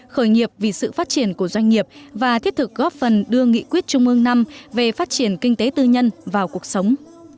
khởi nghiệp vì sự phát triển của doanh nghiệp và thiết thực góp phần đưa nghị quyết trung ương năm về phát triển kinh tế tư nhân vào cuộc sống